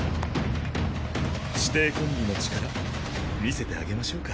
師弟コンビの力見せてあげましょうか？